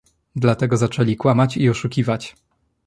Dlatego zaczęli kłamać i oszukiwać